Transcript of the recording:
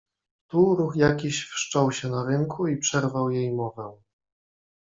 "Tu ruch jakiś wszczął się na rynku i przerwał jej mowę."